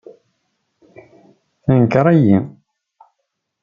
Tenker-iyi.